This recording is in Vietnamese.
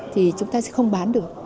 thì chúng ta bán được